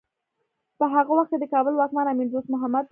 په هغه وخت کې د کابل واکمن امیر دوست محمد و.